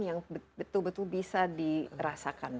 yang betul betul bisa dirasakan